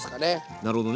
なるほどね